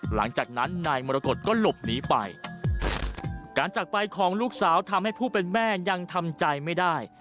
หลังจากนั้นนายมรกฏก็หลบหนีไปการจักรไปของลูกสาวทำให้ผู้เป็นแม่ยังทำใจไม่ได้